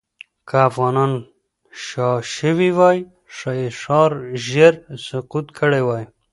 که افغانان شا شوې وای، ښایي ښار ژر سقوط کړی وای.